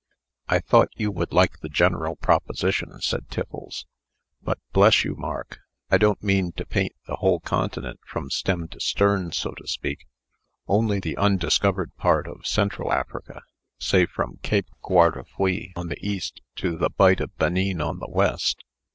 "I thought you would like the general proposition," said Tiffles. "But, bless you, Mark! I don't mean to paint the whole continent, from stem to stern, so to speak; only the undiscovered part of Central Africa say from Cape Guardafui on the east to the Bight of Benin on the west."